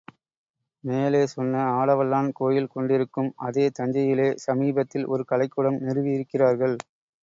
மேலே சொன்ன ஆடவல்லான் கோயில் கொண்டிருக்கும் அதே தஞ்சையிலே சமீபத்தில் ஒரு கலைக்கூடம் நிறுவியிருக்கிறார்கள்.